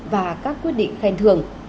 và các quyết định khen thường